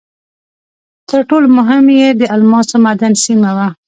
تر ټولو مهم یې د الماسو معدن سیمه وه.